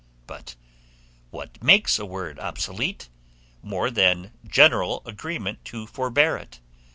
But what makes a word obsolete, more than general agreement to forbear it?